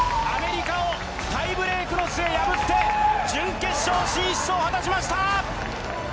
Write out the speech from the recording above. アメリカをタイブレークの末破って準決勝進出を果たしました。